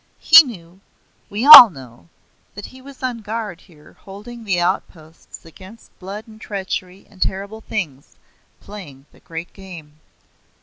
He knew we all know that he was on guard here holding the outposts against blood and treachery and terrible things playing the Great Game.